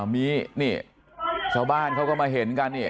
มีนี่ชาวบ้านเขาก็มาเห็นกันนี่